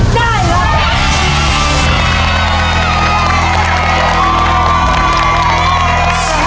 ได้ได้ได้